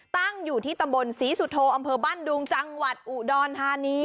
ตั้งอยู่ที่ตำบลศรีสุโธอำเภอบ้านดุงจังหวัดอุดรธานี